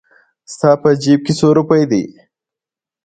ستا په جېب کې څو روپۍ دي؟